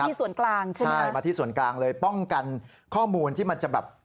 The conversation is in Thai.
ที่ส่วนกลางใช่ไหมใช่มาที่ส่วนกลางเลยป้องกันข้อมูลที่มันจะแบบ